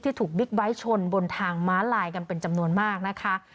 ถูกบิ๊กไบท์ชนบนทางม้าลายกันเป็นจำนวนมากนะคะ